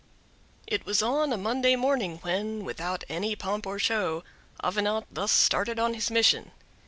It was on a Monday morning when, without any pomp or show, Avenant thus started on his mission.